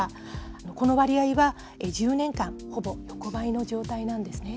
この割合は、１０年間、ほぼ横ばいの状態なんですね。